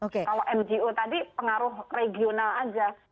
kalau mgo tadi pengaruh regional saja